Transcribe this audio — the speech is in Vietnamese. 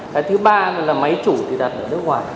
cái thứ ba là máy chủ thì đặt ở nước ngoài